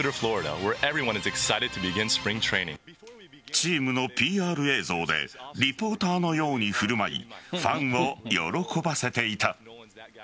チームのＰＲ映像でリポーターのように振る舞いファンを喜ばせていた。